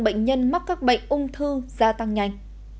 bệnh nhân mắc các bệnh ung thư gia tăng nhanh